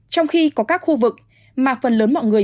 trong khi có các khu vực mà phần lớn mọi người